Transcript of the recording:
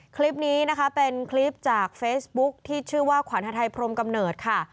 คลิปนี้นะคะเป็นคลิปจากเฟซบุ๊คที่ชื่อว่าขวัญฮาไทยพรมกำเนิดค่ะ